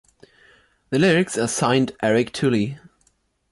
The lyrics are signed Eric Toulis.